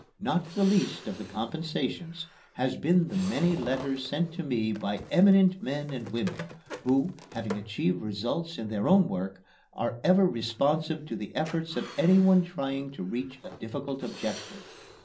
Not the least of the compensations has been the many letters sent to me by eminent men and women, who, having achieved results in their own work, are ever responsive to the efforts of anyone trying to reach a difficult objective.